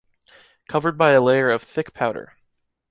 Covered by a layer of thick powder